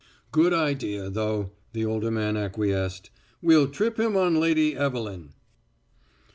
"Good idea, though," the older man acquiesced. "We'll trip him on Lady Evelyn."